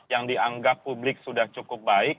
yang dianggap publik sudah cukup baik